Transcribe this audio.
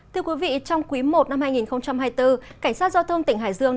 thưa quý vị trong quý i năm hai nghìn hai mươi bốn cảnh sát giao thông tỉnh hải dương